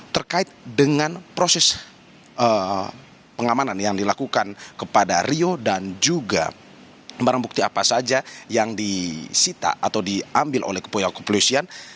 terkait dengan proses pengamanan yang dilakukan kepada rio dan juga barang bukti apa saja yang disita atau diambil oleh kepolisian